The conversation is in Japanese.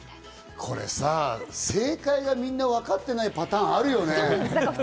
これ正解はみんなが分かってないパターンあるよね。